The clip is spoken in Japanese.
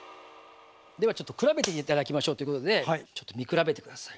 ではちょっと比べて頂きましょうっていうことでねちょっと見比べて下さい。